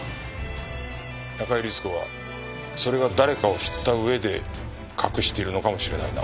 中井律子はそれが誰かを知った上で隠しているのかもしれないな。